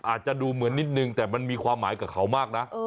อาจจะดูเหมือนนิดนึงแต่มันมีความหมายกับเขามากนะ